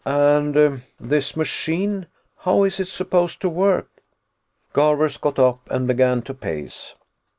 "And this machine, how is it supposed to work?" Garvers got up and began to pace.